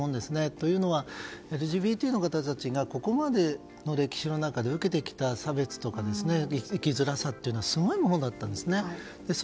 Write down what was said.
というのはＬＧＢＴの方たちがここまでの歴史の中で受けてきた差別とか生きづらさというのはすごいものだったんですね。